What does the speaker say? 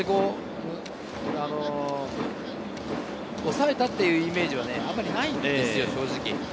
抑えたというイメージはあまりないんですよ。